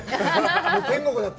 天国だった。